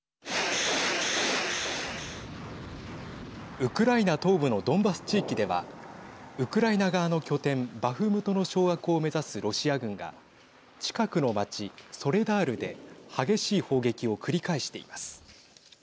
ウクライナ東部のドンバス地域ではウクライナ側の拠点バフムトの掌握を目指すロシア軍が近くの町ソレダールで激しい砲撃を繰り返しています。